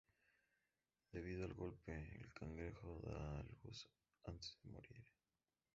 Debido al golpe, el cangrejo da a luz antes de morir.